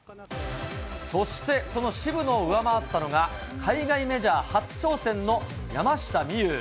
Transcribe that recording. そしてその渋野を上回ったのが、海外メジャー初挑戦の山下美夢有。